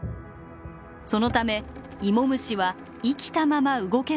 そのためイモムシは生きたまま動けなくなりました。